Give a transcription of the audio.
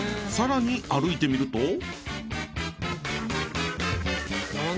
更に歩いてみると。